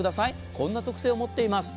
こんな特性を持っています。